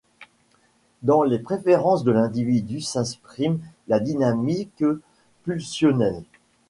Dans les préférences de l'individu s'exprime la dynamique pulsionnelle.